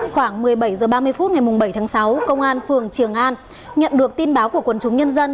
khoảng một mươi bảy h ba mươi phút ngày bảy tháng sáu công an phường trường an nhận được tin báo của quần chúng nhân dân